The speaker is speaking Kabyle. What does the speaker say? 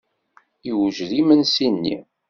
Yewjed yimensi-nni.